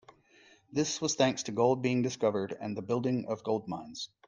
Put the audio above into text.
This was thanks to gold being discovered and the building of gold mines.